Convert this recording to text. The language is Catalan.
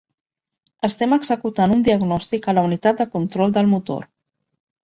Estem executant un diagnòstic a la unitat de control del motor.